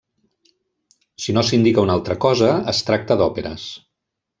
Si no s'indica una altra cosa, es tracta d'òperes.